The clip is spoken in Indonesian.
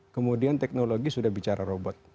kemudian teknologi sudah bicara robot